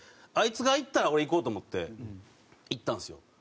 あいつが行ったら俺行こうと思って行ったんですよ。